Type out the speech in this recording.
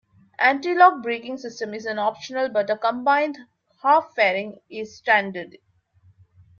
Anti-lock braking system is an option but a combined half-fairing is standard.